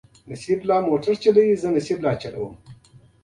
د هندوستان لور ته مه ځه.